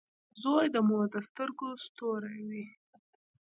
• زوی د مور د سترګو ستوری وي.